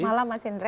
malam mas indra